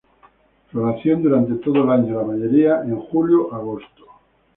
Floración durante todo el año, la mayoría en julio-agosto.